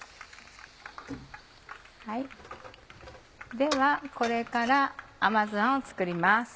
ではこれから甘酢あんを作ります。